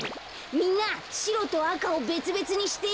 みんなしろとあかをべつべつにして！